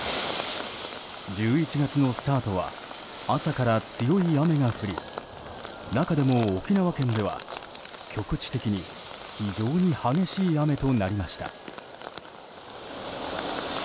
１１月のスタートは朝から強い雨が降り中でも沖縄県では、局地的に非常に激しい雨となりました。